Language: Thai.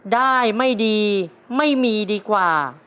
ได้ไม่ดีไม่มีดีกว่า